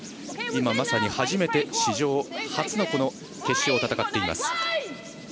今まさに、初めて史上初の決勝を戦っています。